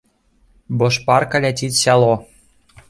Бо шпарка ляціць сяло.